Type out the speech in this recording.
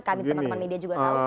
kami teman teman media juga tahu